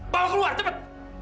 bawa keluar cepat